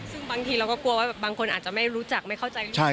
ซึ่งบางทีเราก็กลัวว่าบางคนอาจจะไม่รู้จักไม่เข้าใจ